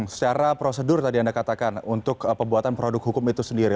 secara prosedur tadi anda katakan untuk pembuatan produk hukum itu sendiri